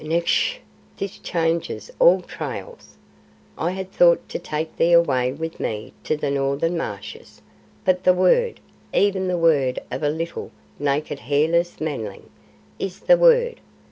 "Ngssh! This changes all trails. I had thought to take thee away with me to the northern marshes, but the Word even the Word of a little, naked, hairless Manling is the Word.